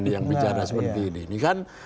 yang bicara seperti ini ini kan